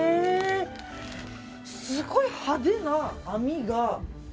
すごい派手な網が。